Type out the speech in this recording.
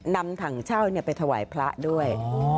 นำถังเช่าไปถวายพระด้วย